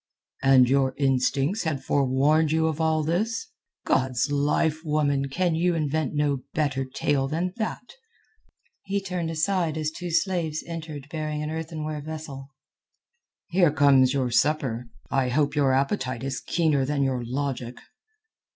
"And your instincts had forewarned you of all this? God's life, woman! can you invent no better tale than that?" He turned aside as two slaves entered bearing an earthenware vessel. "Here comes your supper. I hope your appetite is keener than your logic."